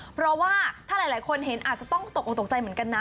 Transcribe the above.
เพราะว่าถ้าหลายคนเห็นอาจจะต้องตกออกตกใจเหมือนกันนะ